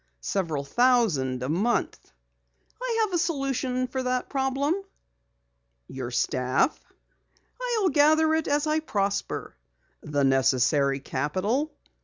Several thousand a month." "I have a solution for that problem." "Your staff?" "I'll gather it as I prosper." "The necessary capital?"